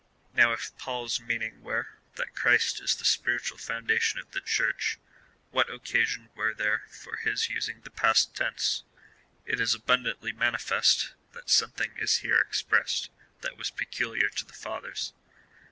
Now if Paul's meaning were, that Christ is the spiritual foundation of the Church, what occasion were there for his using the past tense ?^ It is ahundantly manifest, that something is here expressed that was peculiar to the fathers.